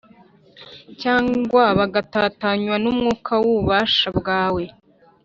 cyangwa bagatatanywa n’umwuka w’ububasha bwawe.